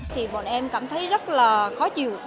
thì bọn em cảm thấy rất là khó chịu